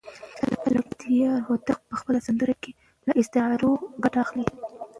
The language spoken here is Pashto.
ملکیار هوتک په خپله سندره کې له استعارو ګټه اخلي.